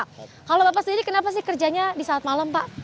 kalau bapak sendiri kenapa sih kerjanya di saat malam pak